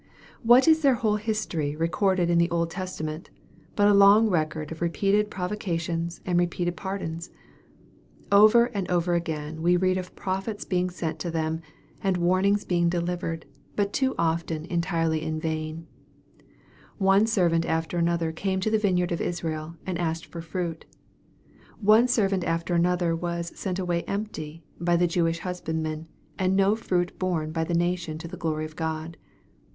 What is their whole history as recorded in the Old Testament, but a long record of repeated provocations, and repeated par dons ? Over and over again we read of prophets being sent to them, and warnings being delivered, but too often entirely in vain. One servant after another carne to the vineyard of Israel, and asked for fruit. One ser vant after another was " sent away empty" by the Jew ish husbandmen, and no fruit borne by the nation to the glory of God.